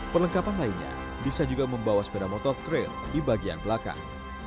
perlengkapan lainnya bisa juga membawa sepeda motor trail di bagian belakang